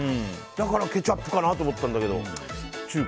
だからケチャップかなと思ったんだけど。